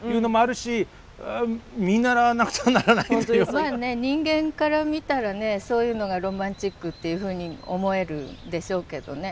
まあね人間から見たらねそういうのがロマンチックっていうふうに思えるでしょうけどね。